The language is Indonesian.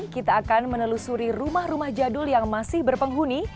kita akan menelusuri rumah rumah jadul yang masih berpenghuni